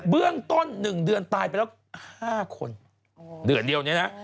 เบื้องต้น๑เดือนตายไปแล้ว๕คนเดือนเดียวเนี่ยนะ